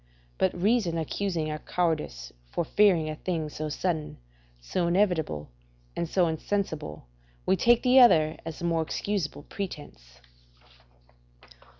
But reason accusing our cowardice for fearing a thing so sudden, so inevitable, and so insensible, we take the other as the more excusable pretence.